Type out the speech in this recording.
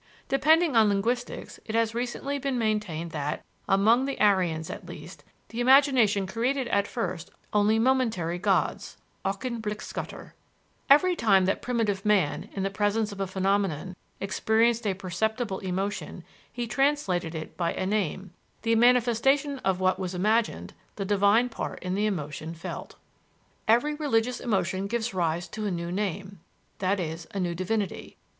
Depending on linguistics, it has recently been maintained that, among the Aryans at least, the imagination created at first only momentary gods (Augenblicksgötter). Every time that primitive man, in the presence of a phenomenon, experienced a perceptible emotion, he translated it by a name, the manifestation of what was imagined the divine part in the emotion felt. "Every religious emotion gives rise to a new name i.e., a new divinity.